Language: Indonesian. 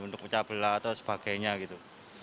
untuk pecah belah atau sebagainya gitu